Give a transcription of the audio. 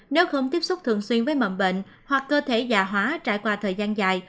nếu không tiếp xúc thường xuyên với mầm bệnh hoặc cơ thể già hóa trải qua thời gian dài